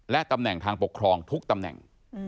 และตำแหน่งทางปกครองทุกตำแหน่ง